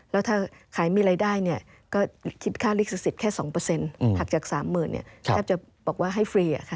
แล้วถ้าขายมีรายได้ก็คิดค่าลิขสิทธิ์แค่๒หักจาก๓๐๐๐แทบจะบอกว่าให้ฟรี